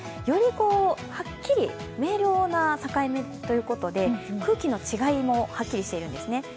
よりはっきり、明瞭な境目ということで、空気の違いもはっきりしているんですね。